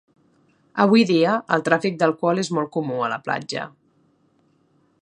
Avui dia, el tràfic d'alcohol és molt comú a la platja.